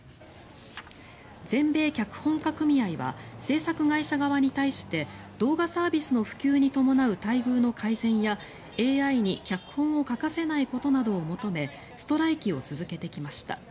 全米脚本家組合は制作会社側に対して動画サービスの普及に伴う待遇の改善やＡＩに脚本を書かせないことなどを求めストライキを続けてきました。